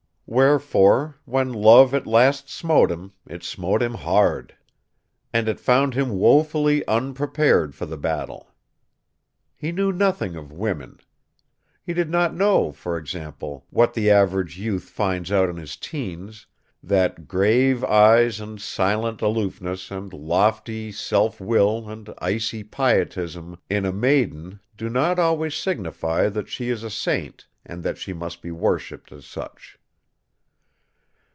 Wherefore, when love at last smote him it smote him hard. And it found him woefully unprepared for the battle. He knew nothing of women. He did not know, for example, what the average youth finds out in his teens that grave eyes and silent aloofness and lofty self will and icy pietism in a maiden do not always signify that she is a saint and that she must be worshiped as such.